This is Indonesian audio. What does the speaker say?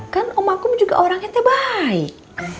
kan om akum juga orangnya teh baik